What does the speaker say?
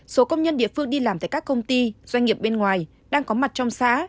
số công nhân địa phương đi làm tại các công ty doanh nghiệp bên ngoài đang có mặt trong xã